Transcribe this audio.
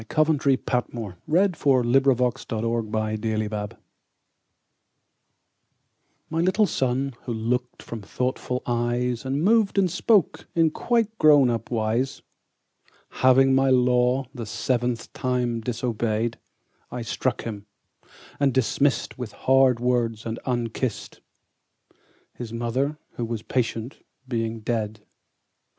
Coventry Patmore. 1823–1896 763. The Toys MY little Son, who look'd from thoughtful eyes And moved and spoke in quiet grown up wise, Having my law the seventh time disobey'd, I struck him, and dismiss'd With hard words and unkiss'd, 5 —His Mother, who was patient, being dead.